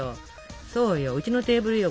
そうようちのテーブルよ